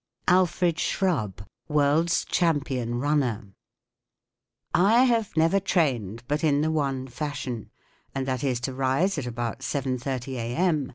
ALFRED SHRUBB. World Champion Runner. I have never trained but in the one fashion, and that is to rise at about seven thirty a.m.